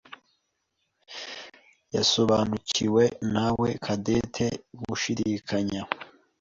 yasobanukiwe nawe Cadette gushidikanya.